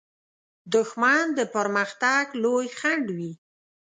دښمن د پرمختګ لوی خنډ وي